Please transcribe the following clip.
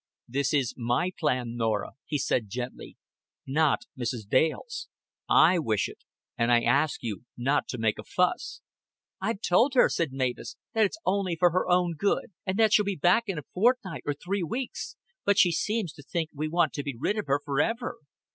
"This is my plan, Norah," he said gently; "not Mrs. Dale's. I wish it and I ask you not to make a fuss." "I've told her," said Mavis, "that it's only for her own good; and that she'll be back here in a fortnight or three weeks. But she seems to think we want to be rid of her forever."